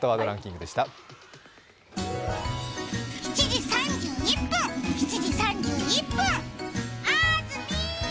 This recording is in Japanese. ７時３１分、７時３１分、あずみー。